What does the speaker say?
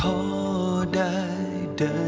สวัสดีครับ